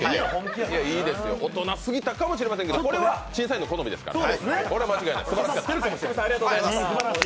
大人すぎたかもしれませんが、これは審査員の好みですから。